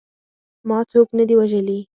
ما څوک نه دي وژلي.